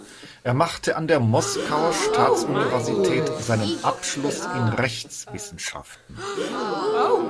Er machte an der Moskauer Staatsuniversität seinen Abschluss in Rechtswissenschaft.